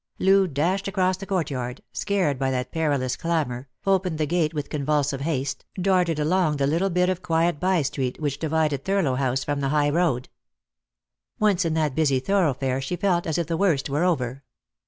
Loo dashed across the courtyard, scared by that perilous clamour, opened the gate with convulsive haste, darted along the little bit of quiet bystreet which divided Thurlow House from the high road. Once in that busy thoroughfare she felt as if the worst were over.